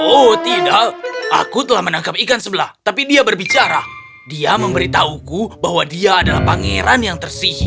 oh tidak aku telah menangkap ikan sebelah tapi dia berbicara dia memberitahuku bahwa dia adalah pangeran yang tersihi